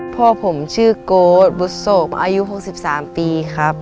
พ่อผมชื่อโก๊ดบุษบอายุ๖๓ปีครับ